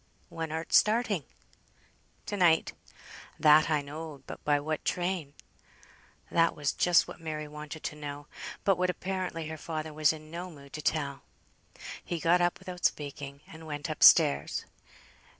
"When art starting?" "To night." "That I knowed. But by what train?" That was just what Mary wanted to know; but what apparently her father was in no mood to tell. He got up without speaking, and went up stairs.